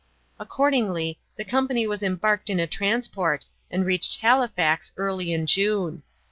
Accordingly, the company was embarked in a transport and reached Halifax early in June.